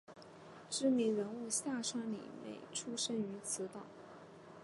知名人物夏川里美出身于此岛。